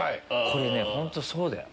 これねホントそうだよ。